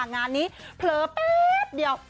งานนี้เผลอแป๊บเดียว